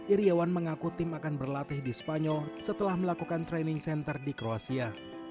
iryawan mengaku tim akan berlatih di spanyol setelah melakukan training center di kroasia